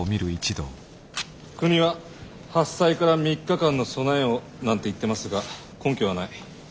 国は「発災から３日間の備えを」なんて言ってますが根拠はない。